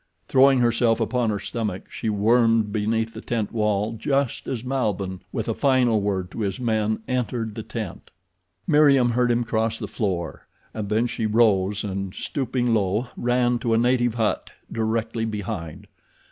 Throwing herself upon her stomach she wormed beneath the tent wall just as Malbihn, with a final word to his men, entered the tent. Meriem heard him cross the floor, and then she rose and, stooping low, ran to a native hut directly behind.